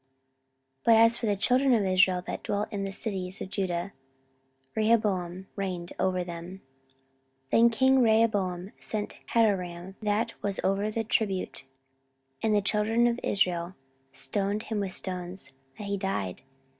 14:010:017 But as for the children of Israel that dwelt in the cities of Judah, Rehoboam reigned over them. 14:010:018 Then king Rehoboam sent Hadoram that was over the tribute; and the children of Israel stoned him with stones, that he died.